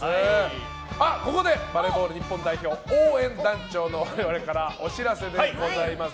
ここでバレーボール日本代表応援団長の我々からお知らせでございます。